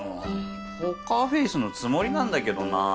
ポーカーフェースのつもりなんだけどなぁ。